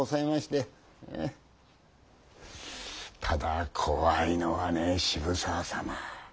ただ怖いのはね渋沢様。